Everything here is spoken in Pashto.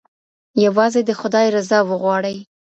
یوازې د خدای رضا وغواړئ.